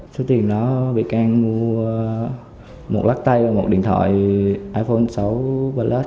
số tiền đó bị can mua một lắc tay và một điện thoại iphone sáu pallet